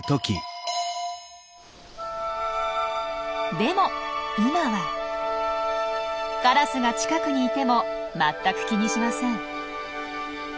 でも今はカラスが近くにいても全く気にしません。